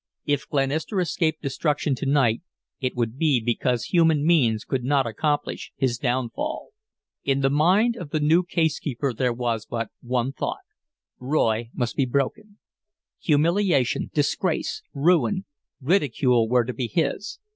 If Glenister escaped destruction to night it would be because human means could not accomplish his downfall. In the mind of the new case keeper there was but one thought Roy must be broken. Humiliation, disgrace, ruin, ridicule were to be his.